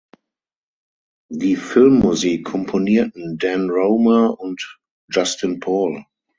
Die Filmmusik komponierten Dan Romer und Justin Paul.